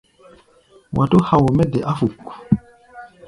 Wa tó hao mɛ́ de áfuk.